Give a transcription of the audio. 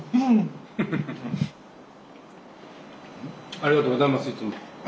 ありがとうございますいつも。